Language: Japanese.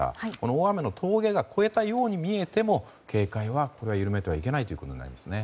大雨の峠が越えたように見えても警戒は緩めてはいけないということになりますね。